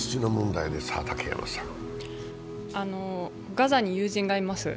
ガザに友人がいます。